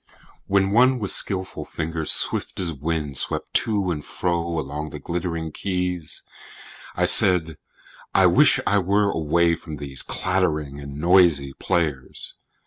WHEN one with skillful fingers swift as wind Swept to and fro along the glittering keys, I said: I wish I were away from these Clattering and noisy players!